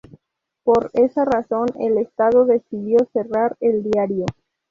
Por esa razón, el estado decidió cerrar el diario.